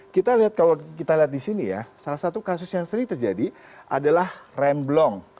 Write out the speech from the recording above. kita lihat kalau kita lihat di sini ya salah satu kasus yang sering terjadi adalah rem blong